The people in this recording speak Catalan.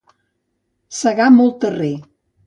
Segar molt terrer.